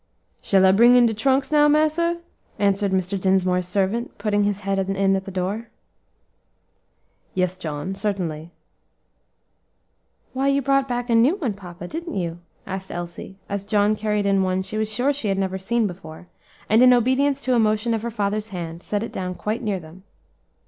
"Shall I bring in de trunks now, massa?" asked Mr. Dinsmore's servant, putting his head in at the door. "Yes, John, certainly." "Why, you brought back a new one, papa, didn't you?" asked Elsie, as John carried in one she was sure she had never seen before, and in obedience to a motion of her father's hand, set it down quite near them.